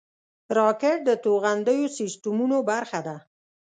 راکټ د توغندیزو سیسټمونو برخه ده